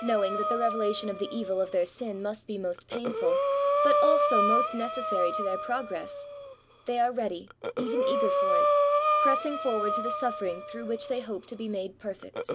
Knowing that the revelation of the evil of their sin must be most painful, but also most necessary to their progress^ they are ready, even eager for it, pressing forward to the suffering through which they hope to be made perfect.